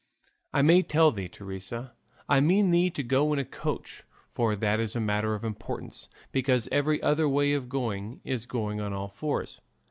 I may tell thee, Teresa, I mean thee to go in a coach, for that is a matter of importance, because every other way of going is going on all fours.